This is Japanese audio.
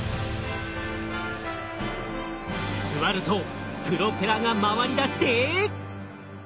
座るとプロペラが回りだして。